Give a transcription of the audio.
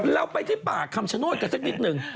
เราไปที่ป่าคำชโนธกันสักนิดหนึ่ง